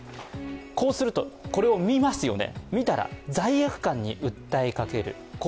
こうすると、これを見ますよね。